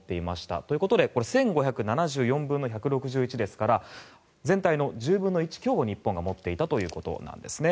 ということで１５７４分の１６１ですから全体の１０分の１強を日本が持っていたということなんですね。